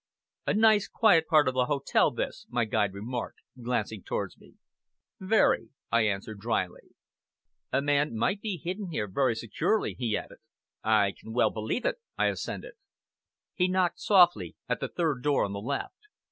"A nice quiet part of the hotel this," my guide remarked, glancing towards me. "Very!" I answered dryly. "A man might be hidden here very securely," he added. "I can well believe it," I assented. He knocked softly at the third door on the left.